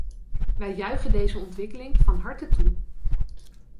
Wij juichen deze ontwikkeling van harte toe.